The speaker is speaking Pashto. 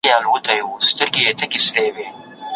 ډاکټر کرټېس وايي خلک خپل ناخوښ شیان خوښوي.